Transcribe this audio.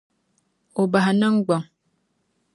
O bahi niŋgbuŋ.